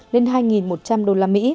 lên hai một trăm linh usd